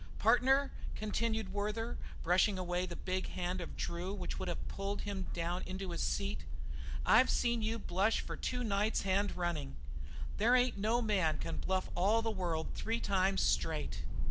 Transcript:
"Partner," continued Werther, brushing away the big hand of Drew which would have pulled him down into his seat; "I've seen you bluff for two nights hand running. There ain't no man can bluff all the world three times straight."